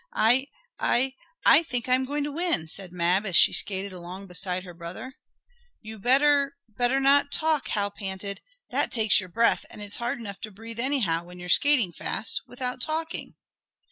"I I I think I'm going to win," said Mab as she skated along beside her brother. "You'd better better not talk," Hal panted. "That takes your breath, and it's hard enough to breathe anyhow, when you're skating fast, without talking."